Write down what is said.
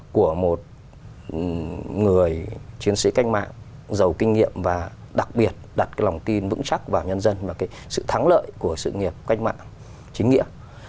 của một người chiến sĩ cách mạng giàu kinh nghiệm và đặc biệt đặt cái lòng tin vững chắc vào nhân dân và cái sự thắng lợi của sự nghiệp cách mạng chính nghĩa